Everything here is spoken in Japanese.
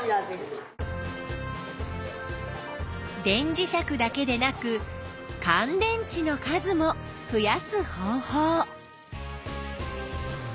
電磁石だけでなくかん電池の数も増やす方法。